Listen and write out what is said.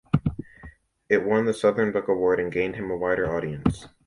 It won the Southern Book Award and gained him a wider audience.